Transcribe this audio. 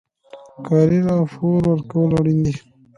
کاري راپور ورکول اړین دي